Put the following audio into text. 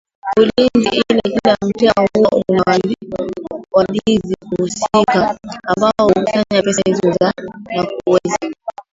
ulinzi ila kila mtaa huwa una walizi husika ambao hukusanya pesa hizo na kuweza